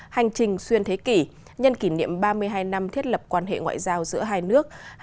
hành trình xuyên thế kỷ nhân kỷ niệm ba mươi hai năm thiết lập quan hệ ngoại giao giữa hai nước